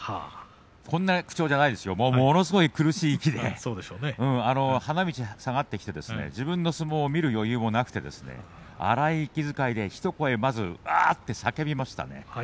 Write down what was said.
こんな口調じゃないですよものすごい苦しい息で花道に下がってきて自分の相撲を見る余裕もなく荒い息遣いでひと言叫びましたね。